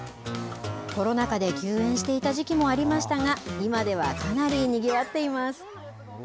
コロナ禍で休園していた時期もありましたが今ではかなりにぎわっています。